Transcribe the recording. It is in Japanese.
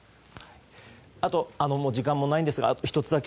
あと、時間もないんですが１つだけ。